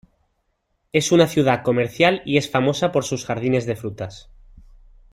Es una ciudad comercial y es famosa por sus jardines de frutas.